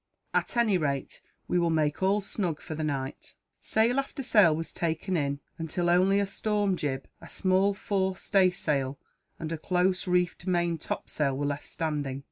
At any rate, we will make all snug for the night." Sail after sail was taken in, until only a storm jib, a small fore stay sail, and a close reefed main top sail were left standing.